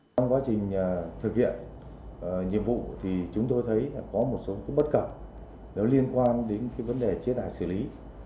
trong quá trình thực hiện nhiệm vụ thì chúng tôi thấy có một số bất cập liên quan đến vấn đề chế tải xử lý